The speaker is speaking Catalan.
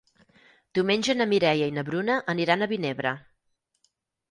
Diumenge na Mireia i na Bruna aniran a Vinebre.